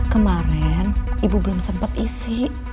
kemaren ibu belum sempet isi